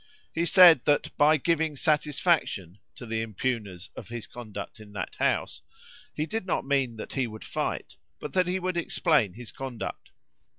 He said, that by giving satisfaction to the impugners of his conduct in that House, he did not mean that he would fight, but that he would explain his conduct.